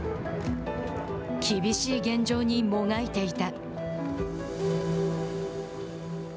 厳しい現状にもがいていた。